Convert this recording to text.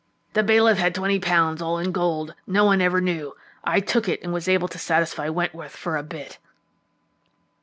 The bailiff had twenty pounds all in gold; no one ever knew. I took it and was able to satisfy Wentworth for a bit."